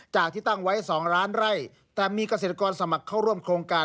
จากที่ตั้งไว้๒ล้านไร่แต่มีเกษตรกรสมัครเข้าร่วมโครงการ